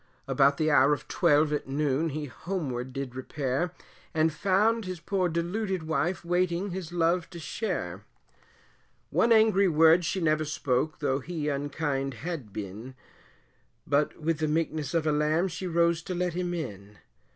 About the hour of twelve at noon, he homeward did repair, And found his poor deluded wife, waiting his love to share One angry word she never spoke, though he unkind had been But with the meekness of a lamb, she rose to let him in.